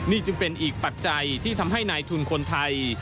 นี่จึงเป็นอีกปัจจัยที่ทำให้นายทุนคนไทย